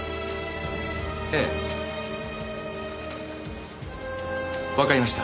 ええ。わかりました。